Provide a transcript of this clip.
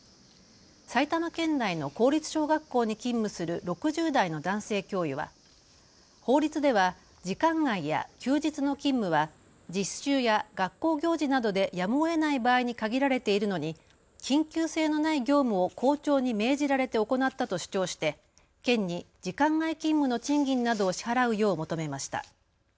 埼玉県内の公立小学校に勤務する６０代の男性教諭は法律では時間外や休日の勤務は実習や学校行事などでやむをえない場合に限られているのに緊急性のない業務を校長に命じられて行ったと主張して県に時間外勤務の賃金などを支払うよう求めました。